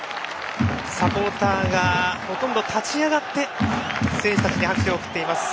サポーターがほとんど立ち上がって選手たちに拍手を送っています。